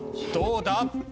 どうだ？